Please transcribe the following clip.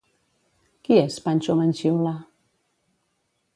Qui és Panxo Manxiula?